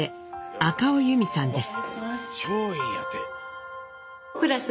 赤尾由美さんです。